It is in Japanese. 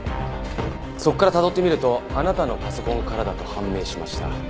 そこからたどってみるとあなたのパソコンからだと判明しました。